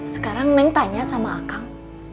sekarang main tanya sama akang